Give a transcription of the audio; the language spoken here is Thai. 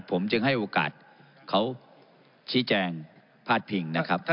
ผมจึงให้โอกาสเขาชี้แจงพาดพิงนะครับ